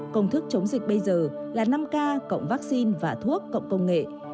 công thức chống dịch bây giờ là năm k cộng vaccine và thuốc cộng công nghệ